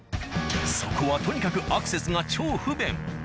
そこはとにかくアクセスが超不便。